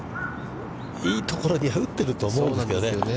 いいところには打っていると思うんですけどね。